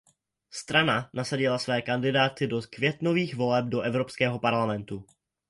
Strana nasadila své kandidáty do květnových voleb do Evropského parlamentu.